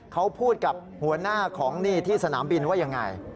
เขาพูดกับหัวหน้าของนี่ที่สนามบินว่ายังไง